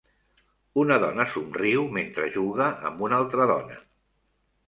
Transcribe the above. Una dona somriu mentre juga amb una altra dona.